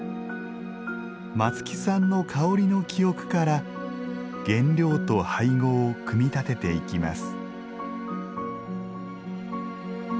松木さんの香りの記憶から原料と配合を組み立てていきます。